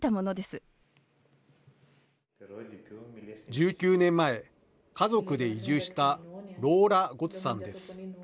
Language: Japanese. １９年前、家族で移住したローラ・ゴツさんです。